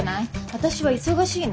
私は忙しいの。